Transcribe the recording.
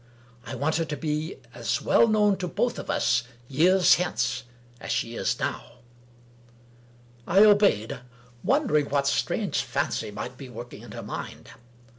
I want her to be as well known to both of us, years hence, as she is now." I obeyed ; wondering what strange fancy might be work ing in her mind.